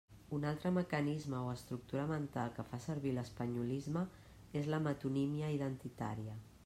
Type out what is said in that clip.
Un altre mecanisme o estructura mental que fa servir l'espanyolisme és la metonímia identitària.